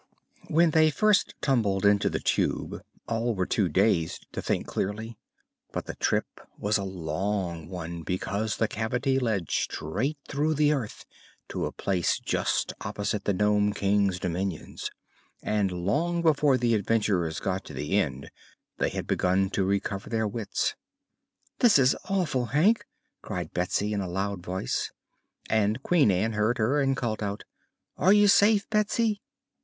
When first they tumbled into the Tube all were too dazed to think clearly, but the trip was a long one, because the cavity led straight through the earth to a place just opposite the Nome King's dominions, and long before the adventurers got to the end they had begun to recover their wits. "This is awful, Hank!" cried Betsy in a loud voice, and Queen Ann heard her and called out: "Are you safe, Betsy?"